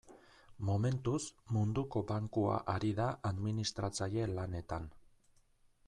Momentuz, Munduko Bankua ari da administratzaile lanetan.